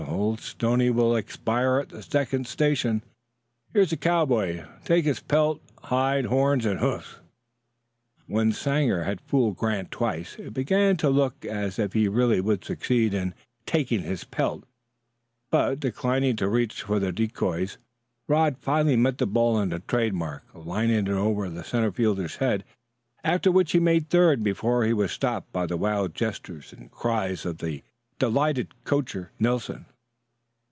"Old Stoney will expire at the second station. Here's the cowboy; take his pelt, hide, horns and hoofs." When Sanger had fooled Grant twice, it began to look as if he really would succeed in "taking his pelt"; but, declining to reach for the decoys, Rod finally met the ball on the trade mark, lining it over the center fielder's head, after which he made third before he was stopped by the wild gestures and cries of the delighted coacher, Nelson.